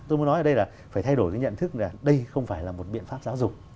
tôi muốn nói ở đây là phải thay đổi cái nhận thức là đây không phải là một biện pháp giáo dục